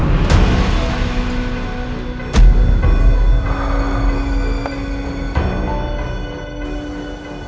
tidak ada yang bisa diberikan